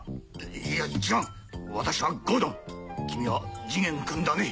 いや違う私はゴードン君は次元君だね？